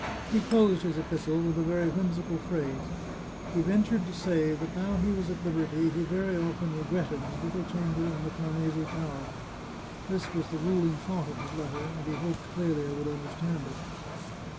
He closed his epistle with a very whimsical phrase: he ventured to say that now he was at liberty, he very often regretted his little chamber in the Farnese Tower. This was the ruling thought of his letter, and he hoped Clelia would understand it.